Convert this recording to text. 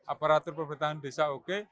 aparatur pemerintahan desa oke